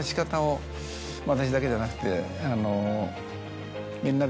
私だけじゃなくて。